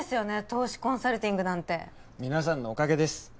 投資コンサルティングなんて皆さんのおかげです